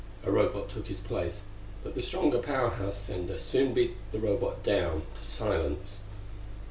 A Robot took his place, but the stronger Power House sender soon beat the Robot down to silence.